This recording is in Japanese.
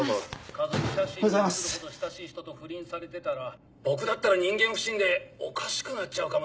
家族写真に写るほど親しい人と不倫されてたら僕だったら人間不信でおかしくなっちゃうかもですね。